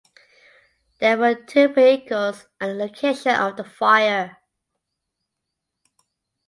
There were two vehicles at the location of the fire.